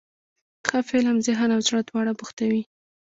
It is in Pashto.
ښه فلم ذهن او زړه دواړه بوختوي.